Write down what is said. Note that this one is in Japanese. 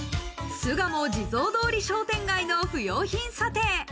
巣鴨地蔵通り商店街の不用品査定。